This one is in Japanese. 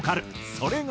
それが。